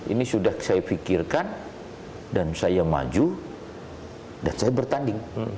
ini sudah saya pikirkan dan saya maju dan saya bertanding